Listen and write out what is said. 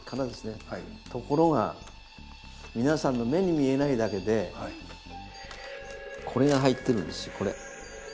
ところが皆さんの目に見えないだけでこれが入ってるんですよこれ。